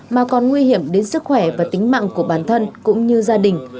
mà còn nguy hiểm đến sức khỏe và tính mạng của bản thân cũng như gia đình